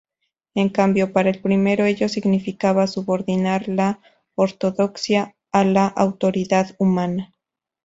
En cambio, para el primero ello significaba subordinar la ortodoxia a la autoridad humana.